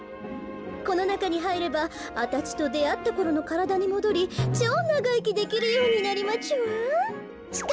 このなかにはいればあたちとであったころのからだにもどりちょうながいきできるようになりまちゅわん。